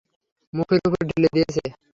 মুখের উপর ঢেলে দিয়েছে।